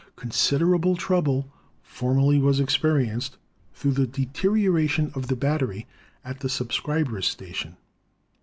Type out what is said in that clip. Consider able trouble formerly was experienced through the de terioration of the battery at the subscriber's station.